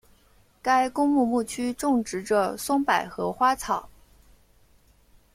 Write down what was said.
该公墓墓区种植着松柏和花草。